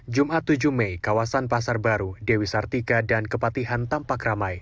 jumat tujuh mei kawasan pasar baru dewi sartika dan kepatihan tampak ramai